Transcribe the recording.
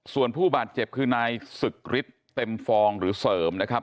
ส่วนผู้บาดเจ็บคือนายศึกฤทธิ์เต็มฟองหรือเสริมนะครับ